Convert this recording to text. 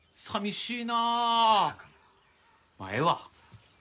まあええわ。